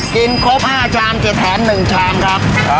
กินครบ๕ชามกี่แถม๑ชามครับ